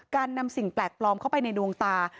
การนำสิ่งแปลกปลอมเข้าไปในดวงตา